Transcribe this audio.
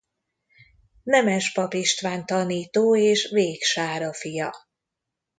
Nemes Pap István tanító és Vég Sára fia.